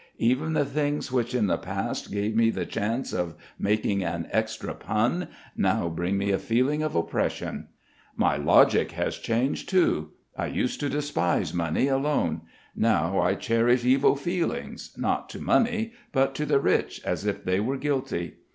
Even the things which in the past gave me the chance of making an extra pun, now bring me a feeling of oppression. My logic has changed too. I used to despise money alone; now I cherish evil feelings, not to money, but to the rich, as if they were guilty.